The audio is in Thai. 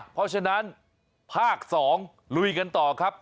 เพราะฉะนั้นภาค๒ลุยกันต่อครับ